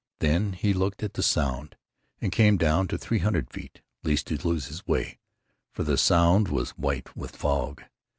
Then he looked at the Sound, and came down to three hundred feet, lest he lose his way. For the Sound was white with fog....